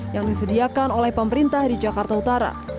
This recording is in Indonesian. yang disediakan oleh pemerintah di jakarta utara